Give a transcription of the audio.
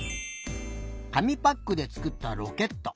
紙パックでつくったロケット。